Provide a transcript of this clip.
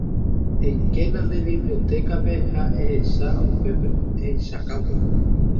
Eikéna nde bibliotecape ha eheka upépe.